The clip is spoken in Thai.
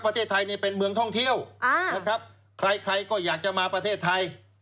แดนสวรรค์ประเทศไทยเป็นเมืองท่องเที่ยวใครก็อยากจะมาประเทศไทย